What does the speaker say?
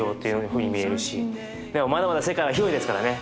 まだまだ世界は広いですからね